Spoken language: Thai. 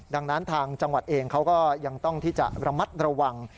ดังนั้นทางจังหวัดเองเขาก็ยังต้องที่จะระมัดระวัง